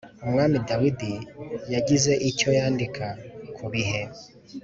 Umwami dawidi yagize icyo yandika ku bihe